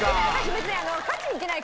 別に勝ちにいってない。